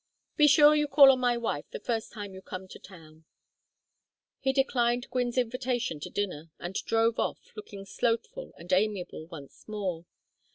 Be sure you call on my wife the first time you come to town." He declined Gwynne's invitation to dinner, and drove off, looking slothful and amiable once more.